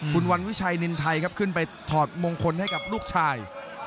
คุณวันวิชัยนินไทยครับขึ้นไปถอดมงคลให้กับลูกชาย